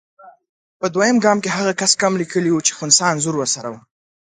په دویم ګام کې هغه کس کم لیکلي وو چې خنثی انځور ورسره وو.